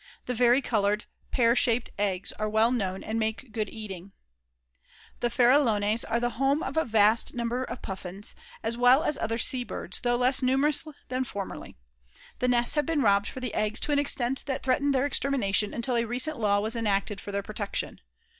The vari colored pear shaped eggs are well known and make good eating. The Farrallones are the home of vast numbers of Puffins, as well as other sea birds, though less numerous than formerly. The nests have been robbed for the eggs to an extent that threatened their extermination until a recent law was enacted for their protection.